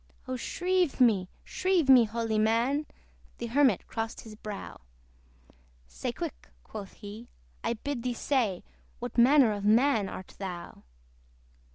"O shrieve me, shrieve me, holy man!" The Hermit crossed his brow. "Say quick," quoth he, "I bid thee say What manner of man art thou?"